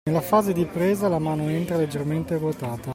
Nella fase di presa la mano entra leggermente ruotata